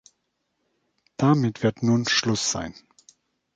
Damit wird nun Schluss sein.